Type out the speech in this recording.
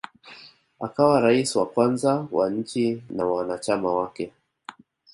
Akawa rais wa kwanza wa nchi na wanachama wake